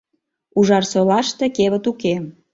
Ужарсолаште кевыт уке!